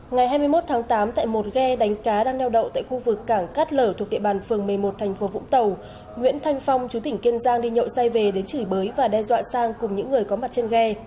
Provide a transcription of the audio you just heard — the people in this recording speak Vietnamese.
ngày hai mươi một tháng tám tại một ghe đánh cá đang neo đậu tại khu vực cảng cát lở thuộc địa bàn phường một mươi một thành phố vũng tàu nguyễn thanh phong chú tỉnh kiên giang đi nhậu say về đến chửi bới và đe dọa sang cùng những người có mặt trên ghe